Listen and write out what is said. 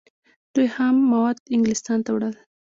دوی خام مواد انګلستان ته وړل.